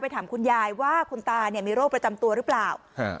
ถามคุณยายว่าคุณตาเนี่ยมีโรคประจำตัวหรือเปล่าอ่า